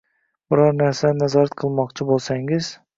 Biror narsani nazorat qilmoqchi bo‘lsangiz